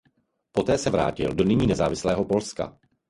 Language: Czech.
Poté se vrátil do nyní nezávislého Polska.